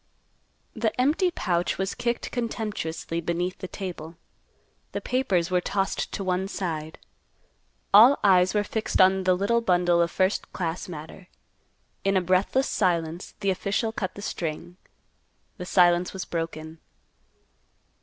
The empty pouch was kicked contemptuously beneath the table. The papers were tossed to one side. All eyes were fixed on the little bundle of first class matter. In a breathless silence the official cut the string. The silence was broken.